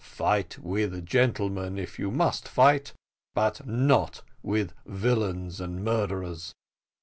Fight with gentlemen, if you must fight, but not with villains and murderers.